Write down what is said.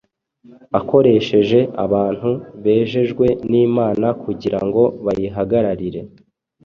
akoresheje abantu bejejwe n’Imana kugira ngo bayihagararire.